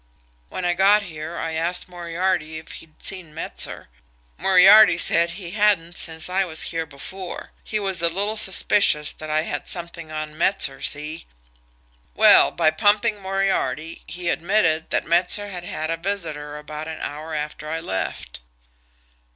When I got here I asked Moriarty if he'd seen Metzer. Moriarty said he hadn't since I was here before. He was a little suspicious that I had something on Metzer see? Well, by pumping Moriarty, he admitted that Metzer had had a visitor about an hour after I left."